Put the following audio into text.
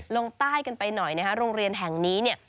ลงใต้กันไปหน่อยนะครับโรงเรียนแห่งนี้